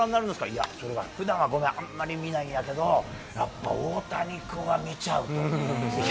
いや、それがふだん、あんまり見ないんだけど、やっぱ大谷君は見ちゃうよね。